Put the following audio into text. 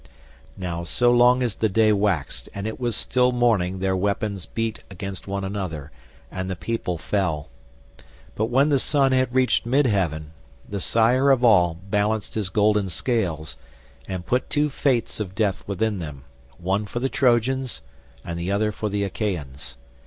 Now so long as the day waxed and it was still morning their weapons beat against one another, and the people fell, but when the sun had reached mid heaven, the sire of all balanced his golden scales, and put two fates of death within them, one for the Trojans and the other for the Achaeans.